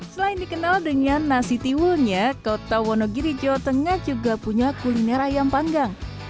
selain dikenal dengan nasi tiwulnya kota wonogiri jawa tengah juga punya kuliner ayam panggang